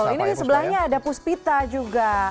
ini sebelahnya ada puspita juga